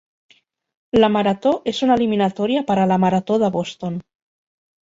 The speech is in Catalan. La marató és una eliminatòria per a la marató de Boston.